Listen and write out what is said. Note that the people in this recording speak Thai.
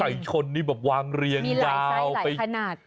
ไก่ชนนี่แบบวางเรียนราวไปมีหลายไส้หลายขนาด